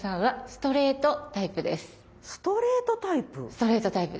ストレートタイプ。